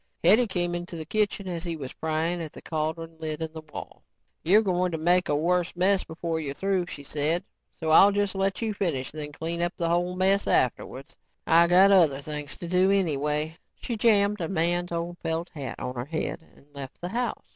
Hetty came into the kitchen as he was prying at the cauldron lid in the wall. "You're going to make a worse mess before you're through," she said, "so I'll just let you finish and then clean up the whole mess afterwards. I got other things to do anyway." She jammed a man's old felt hat on her head and left the house.